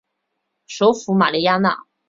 首府玛利亚娜。